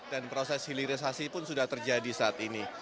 dan proses hilirisasi pun sudah terjadi saat ini